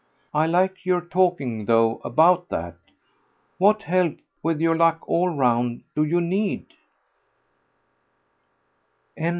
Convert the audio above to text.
"I like your talking, though, about that. What help, with your luck all round, do you need?"